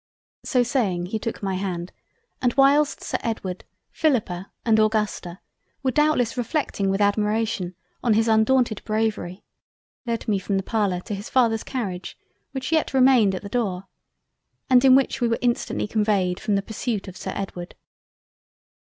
So saying, he took my hand and whilst Sir Edward, Philippa, and Augusta were doubtless reflecting with admiration on his undaunted Bravery, led me from the Parlour to his Father's Carriage which yet remained at the Door and in which we were instantly conveyed from the pursuit of Sir Edward.